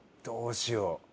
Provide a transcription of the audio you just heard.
どうしよう？